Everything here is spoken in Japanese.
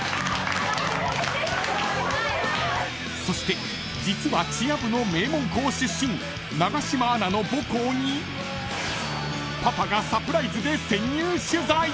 ［そして実はチア部の名門校出身永島アナの母校にパパがサプライズで潜入取材］